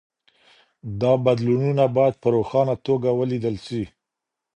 دا بدلونونه باید په روښانه توګه ولیدل سي.